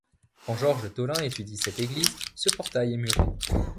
Quand Georges Tholin étudie cette église, ce portail est muré.